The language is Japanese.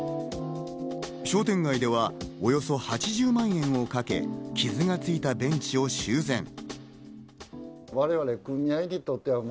商店街ではおよそ８０万円をかけ、傷がついたベンチを修繕。